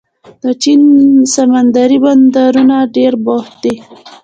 د چین سمندري بندرونه ډېر بوخت دي.